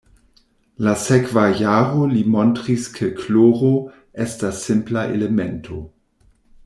La sekva jaro li montris ke kloro, estas simpla elemento.